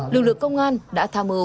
lực lượng công an đã tham ưu